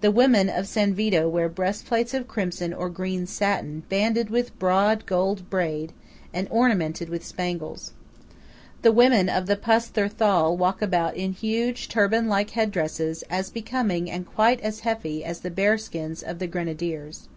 The women of San Vito wear breastplates of crimson or green satin banded with broad gold braid, and ornamented with spangles. The women of the Pusther Thal walk about in huge turbanlike head dresses, as becoming, and quite as heavy, as the bearskins of the Grenadiers.